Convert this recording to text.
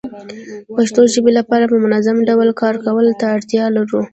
پښتو ژبې لپاره په منظمه ډول کار کولو ته اړتيا لرو